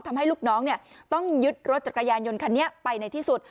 ทำให้ลูกน้องต้องยึดรถจักรยานยนต์คันนี้ไปในที่สุด